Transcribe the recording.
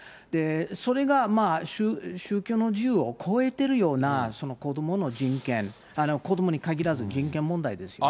それが宗教の自由を超えてるような子どもの人権、子どもに限らず人権問題ですよね。